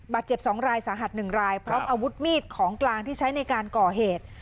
เจ็บ๒รายสาหัส๑รายพร้อมอาวุธมีดของกลางที่ใช้ในการก่อเหตุ